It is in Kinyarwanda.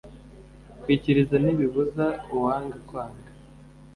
Kwikiriza ntibibuza uwanga kwanga.